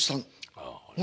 ああ。